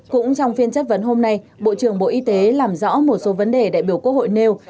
cũng trong phiên chất vấn hôm nay bộ trưởng bộ y tế làm rõ một số vấn đề đại biểu quốc hội nêu